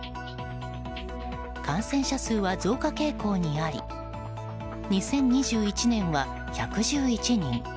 感染者数は増加傾向にあり２０２１年は１１１人